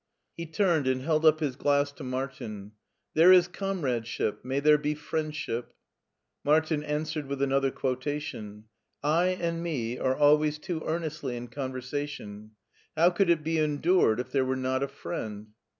He turned and held up his glass to Martin. "' There is comradeship ; may there be friendship !'" Martin answered with another quotation :"' I and me are always too earnestly in conversa tion; how could it be endured if there were not a friend?'"